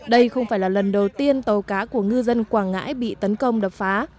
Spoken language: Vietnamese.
đây không phải là lần đầu tiên tàu cá của ngư dân quảng ngãi bị tấn công đập phá